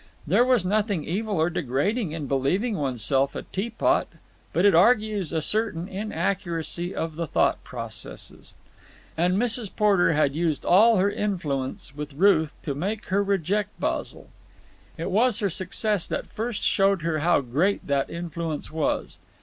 There is nothing evil or degrading in believing oneself a teapot, but it argues a certain inaccuracy of the thought processes; and Mrs. Porter had used all her influence with Ruth to make her reject Basil. It was her success that first showed her how great that influence was.